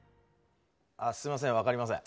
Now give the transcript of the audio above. あすいません分かりません。